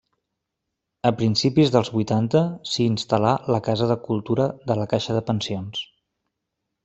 A principis dels vuitanta s'hi instal·là la casa de cultura de la caixa de pensions.